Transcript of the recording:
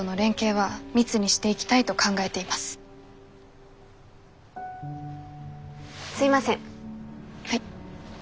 はい。